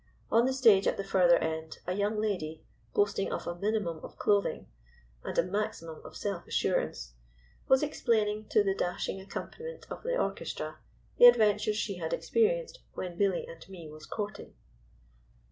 On the stage at the further end a young lady, boasting of a minimum of clothing and a maximum of self assurance was explaining, to the dashing accompaniment of the orchestra, the adventures she had experienced "When Billy and me was courting."